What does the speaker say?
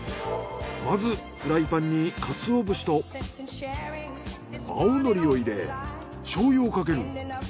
まずフライパンにかつお節と青のりを入れ醤油をかける。